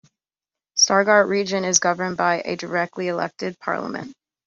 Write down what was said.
Stuttgart Region is governed by a directly elected parliament.